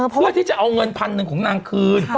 เพื่อที่จะเอาเงินพันหนึ่งของนางคืน